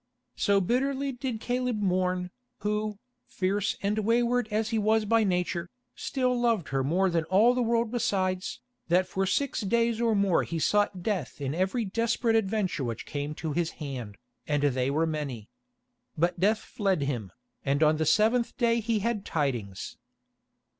So bitterly did Caleb mourn, who, fierce and wayward as he was by nature, still loved her more than all the world besides, that for six days or more he sought death in every desperate adventure which came to his hand, and they were many. But death fled him, and on the seventh day he had tidings.